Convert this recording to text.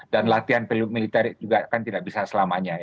dan latihan militer juga tidak bisa selamanya